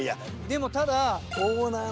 でもただ。